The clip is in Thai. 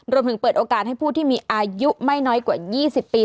เปิดโอกาสให้ผู้ที่มีอายุไม่น้อยกว่า๒๐ปี